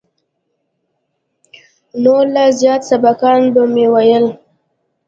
نو لا زيات سبقان به مې ويل.